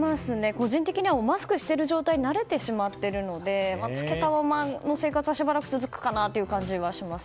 個人的にはマスクをしている状態慣れてしまっているので着けたままの生活がしばらく続くかなという感じがします。